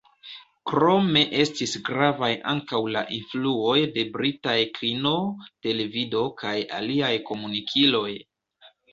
Krome estis gravaj ankaŭ la influoj de britaj kino, televido kaj aliaj komunikiloj.